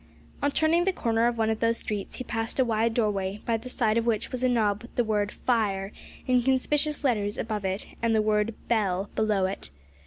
On turning the corner of one of those streets, he passed a wide doorway, by the side of which was a knob with the word FIRE in conspicuous letters above it, and the word BELL below it.